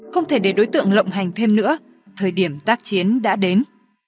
không thể để đối tượng lộng hành thêm nữa thời điểm tác chiến đã đến